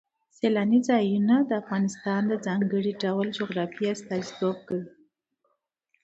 سیلانی ځایونه د افغانستان د ځانګړي ډول جغرافیه استازیتوب کوي.